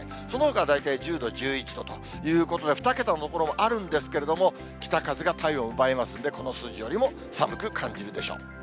そのほかは大体１０度、１１度ということで、２桁の所もあるんですけれども、北風が体温を奪いますので、この数字よりも寒く感じるでしょう。